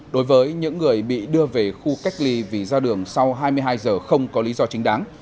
đối với những người bị đưa về khu cách ly vì ra đường sau hai mươi hai giờ không có lý do chính đáng